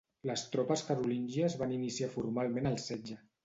Les tropes carolíngies van iniciar formalment el setge.